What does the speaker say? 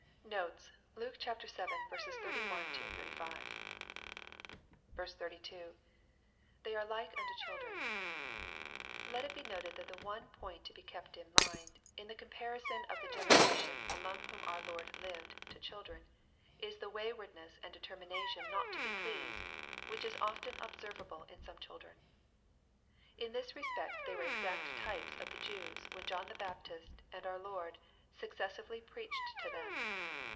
NoTBS. LuKK Vn. 31—35. 32. — [TTtey are Uke tmto children.] Let it be noted that the one point to be kept in mind, in the comparison of the generation among whom our Lord lived, to chilcben, is the waywardness and determination not to be pleased, which is often observable in some children. In this respect they were exact types of the Jews when John Baptist and our Lord successively preached to them.